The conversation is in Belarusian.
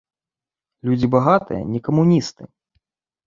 Людзі багатыя, не камуністы.